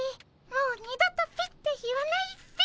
もう二度と「ピッ」て言わないっピ。